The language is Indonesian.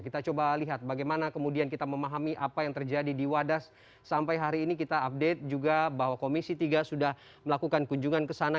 kita coba lihat bagaimana kemudian kita memahami apa yang terjadi di wadas sampai hari ini kita update juga bahwa komisi tiga sudah melakukan kunjungan ke sana